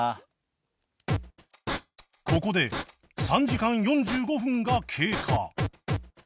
ここで３時間４５分が経過